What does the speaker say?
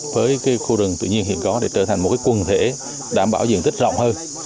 với khu rừng tự nhiên hiện có để trở thành một quần thể đảm bảo diện tích rộng hơn